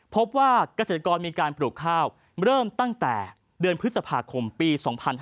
พบว่าเกษตรกรมีการปลูกข้าวเริ่มตั้งแต่เดือนพฤษภาคมปี๒๕๕๙